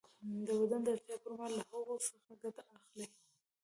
بدن د اړتیا پر مهال له هغوی څخه ګټه اخلي.